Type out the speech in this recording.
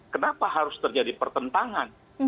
kenapa harus terjadi pertentangan